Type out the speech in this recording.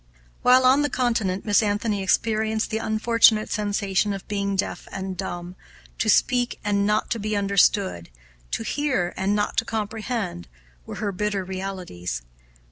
While on the Continent Miss Anthony experienced the unfortunate sensation of being deaf and dumb; to speak and not to be understood, to hear and not to comprehend, were to her bitter realities.